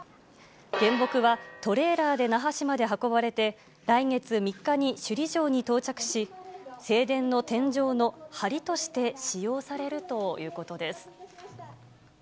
原木はトレーラーで那覇市まで運ばれて、来月３日に首里城に到着し、正殿の天井のはりとして使用されるということです。